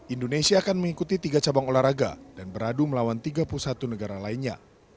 indonesia akan mengikuti tiga cabang olahraga dan beradu melawan tiga puluh satu negara lainnya